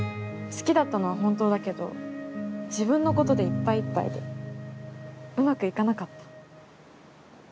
好きだったのは本当だけど自分のことでいっぱいいっぱいでうまく行かなかった。